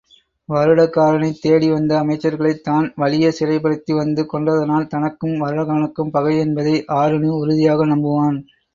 வருடகாரனைத் தேடிவந்த அமைச்சர்களைத் தான் வலிய சிறைப்படுத்திவந்து கொன்றதனால் தனக்கும் வருடகாரனுக்கும் பகை என்பதை ஆருணி உறுதியாக நம்புவான்.